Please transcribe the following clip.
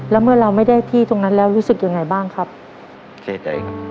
แล้วเมื่อเราไม่ได้ที่ตรงนั้นแล้วรู้สึกยังไงบ้างครับเสียใจครับ